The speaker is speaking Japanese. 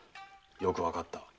よくわかった。